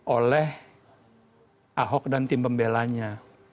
oleh ahok dan tim pembelanya